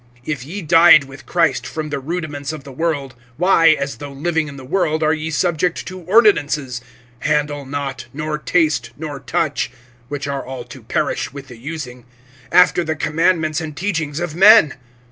(20)If ye died with Christ from the rudiments of the world, why, as though living in the world, are ye subject to ordinances, (21)"Handle not, nor taste, nor touch," (22)(which are all to perish with the using,) after the commandments and teachings of men?